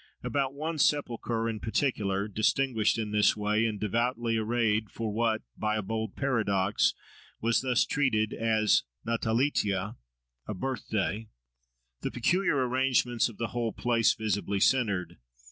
About one sepulchre in particular, distinguished in this way, and devoutly arrayed for what, by a bold paradox, was thus treated as, natalitia—a birthday, the peculiar arrangements of the whole place visibly centered.